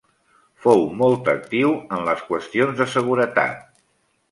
Fou molt actiu en les qüestions de seguretat.